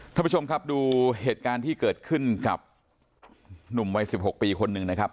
ท่านผู้ชมครับดูเหตุการณ์ที่เกิดขึ้นกับหนุ่มวัย๑๖ปีคนหนึ่งนะครับ